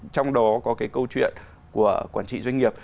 trong đó có cái câu chuyện của quản trị doanh nghiệp